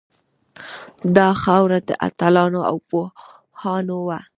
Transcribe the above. دا خاوره د اتلانو او پوهانو وه